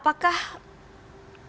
apakah memang memang jangan jauh jauh